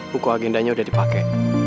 buku agendanya udah dipake